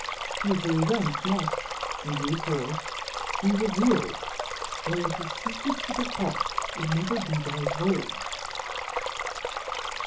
Future events must, in due course, be revealed, whereas the secrets of the heart would never be divulged.